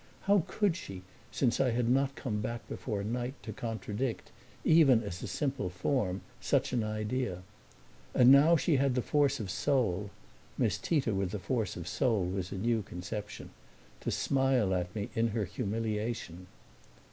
How could she, since I had not come back before night to contradict, even as a simple form, such an idea? And now she had the force of soul Miss Tita with force of soul was a new conception to smile at me in her humiliation.